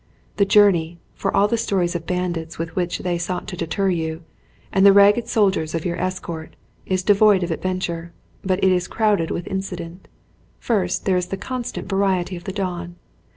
The journey, for all the stories of bandits with which they sought to deter you, and the ragged soldiers of your escort, is devoid of adventure; but it is crowded with incident. First there is the constant variety of the dawn.